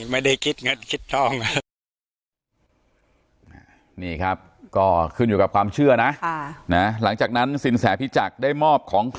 ไม่ได้คิดเงินคิดทอง